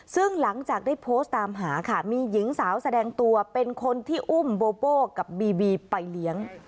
ซึ่งหลังจากได้โพสต์ตามหาค่ะมีหญิงสาวแสดงตัวเป็นคนที่อุ้มโบโบ้กับบีบีไปเลี้ยง